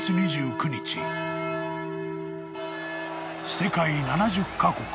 ［世界７０カ国